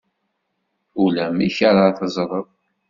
Ulamek ara teẓreḍ.